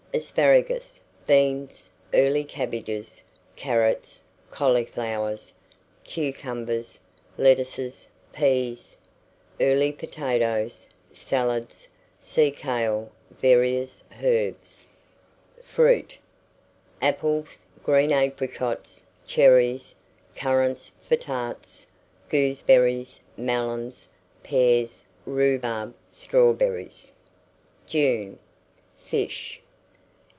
Asparagus, beans, early cabbages, carrots, cauliflowers, creases, cucumbers, lettuces, pease, early potatoes, salads, sea kale, various herbs. FRUIT. Apples, green apricots, cherries, currants for tarts, gooseberries, melons, pears, rhubarb, strawberries. JUNE. FISH.